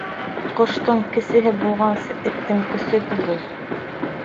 Ҡоштоң кесеһе булғансы, эттең көсөгө бул.